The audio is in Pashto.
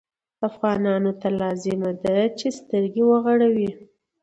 افغانانو ته لازمه ده چې سترګې وغړوي.